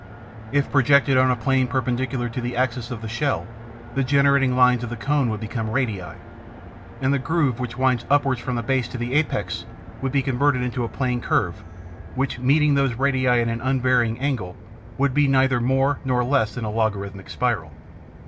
If projected on a plane perpendicular to the axis of the shell, the generating lines of the cone would become radii; and the groove which winds upwards from the base to the apex would be converted into a plane curve which, meeting those radii at an unvarying angle, would be neither more nor less than a logarithmic spiral.